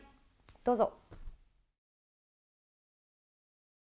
どうぞ。